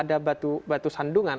tidak ada batu sandungan